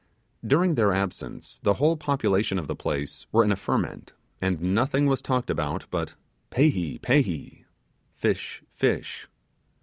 During their absence the whole population of the place were in a ferment, and nothing was talked of but 'pehee, pehee' (fish, fish).